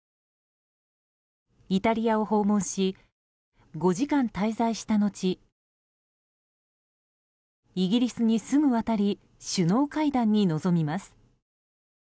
イタリアを訪問し５時間滞在した後イギリスにすぐ渡り首脳会談に臨みます。